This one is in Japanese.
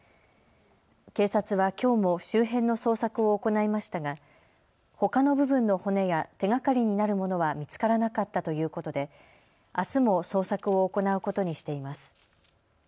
警察はきょうも周辺の捜索を行いましたがほかの部分の骨や手がかりになるものは見つからなかったということであすも捜索を行うことにしています。